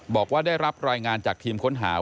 บอกว่าได้รับรายงานจากทีมค้นหา